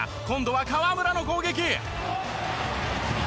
今度は河村の攻撃。